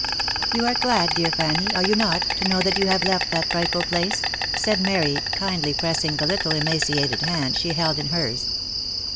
" You are glad, dear Fanny, are you not, to know that you have left that frightful place V said Mary, kindly pressing the little emaci ated hand she held in hers.